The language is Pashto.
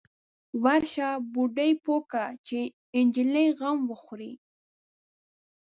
_ورشه، بوډۍ پوه که چې د نجلۍ غم وخوري.